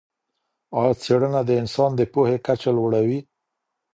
ایا څېړنه د انسان د پوهې کچه لوړوي؟